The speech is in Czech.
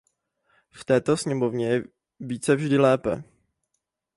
V této sněmovně je více vždy lépe.